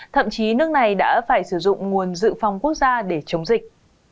thậm chí nước này đã phải sử dụng nguồn dự phòng quốc gia để chống dịch